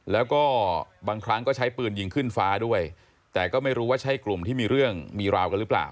แล้วก็บางครั้งก็ใช้ปืนยิงขึ้นฟ้าด้วยแต่ก็ไม่รู้ว่าใช่กลุ่มที่มีเรื่องมีราวกันหรือเปล่า